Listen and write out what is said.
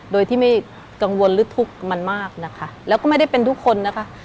โดยที่ไม่กังวลหรือทุกข์มันมากนะคะแล้วก็ไม่ได้เป็นทุกคนนะคะ